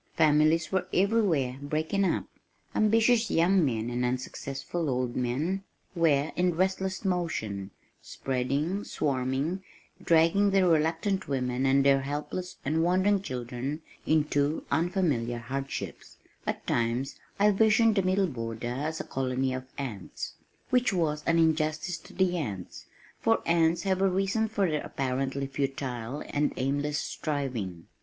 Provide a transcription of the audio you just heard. Families were everywhere breaking up. Ambitious young men and unsuccessful old men were in restless motion, spreading, swarming, dragging their reluctant women and their helpless and wondering children into unfamiliar hardships At times I visioned the Middle Border as a colony of ants which was an injustice to the ants, for ants have a reason for their apparently futile and aimless striving.